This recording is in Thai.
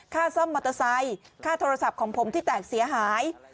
ค่าซ่อมมอเตอร์ไซค์ค่าโทรศัพท์ของผมที่แตกเสียหาย